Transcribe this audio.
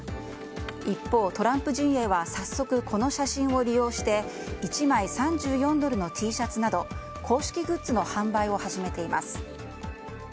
一方、トランプ陣営は早速この写真を利用して１枚３４ドルのＴシャツなど公式グッズの販売を始めています。